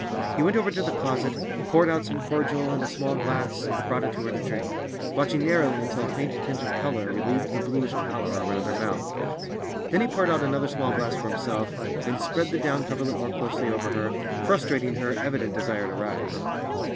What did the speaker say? He went over to the closet, poured out some cordial in a small glass and brought it to her to drink, watching narrowly until a faint tinge of color relieved the bluish pallor around her mouth. Then he poured out another small glass for himself, and spread the down coverlet more closely over her, frustrating her evident desire to rise.